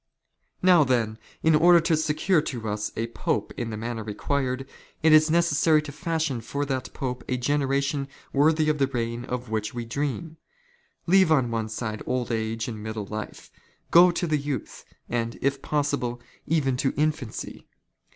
'^ Now then, in order to secure to us a Pope in the manner " required, it is necessary to fashion for that Pope a generation " worthy of the reign of which we dream. Leave on one side old age and middle life, go to the youth, and, if possible, even to infancy.